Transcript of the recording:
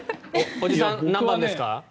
おじさんは何番ですか？